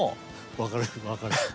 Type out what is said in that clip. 分かる分かる。